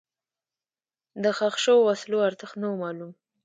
د ښخ شوو وسلو ارزښت نه و معلوم.